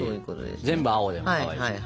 全部青でもかわいいしね。